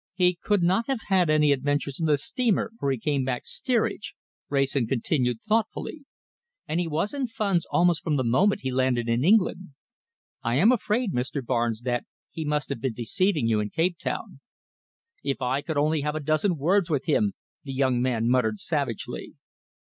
"He could not have had any adventures on the steamer, for he came back steerage," Wrayson continued thoughtfully, "and he was in funds almost from the moment he landed in England. I am afraid, Mr. Barnes, that he must have been deceiving you in Cape Town." "If I could only have a dozen words with him!" the young man muttered savagely.